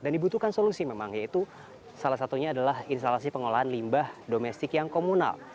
dan dibutuhkan solusi memang yaitu salah satunya adalah instalasi pengolahan limbah domestik yang komunal